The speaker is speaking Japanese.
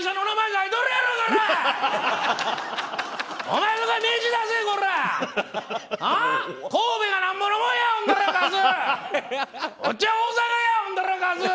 あほんだらかす！